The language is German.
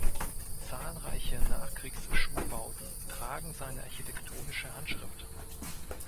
Zahlreiche Nachkriegs-Schulbauten tragen seine architektonische Handschrift.